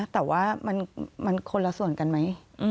แต่ว่ามันคนละส่วนกันไหม